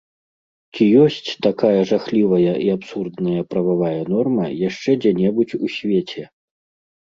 Ці ёсць такая жахлівая і абсурдная прававая норма яшчэ дзе-небудзь у свеце?!